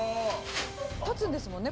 「立つんですもんね？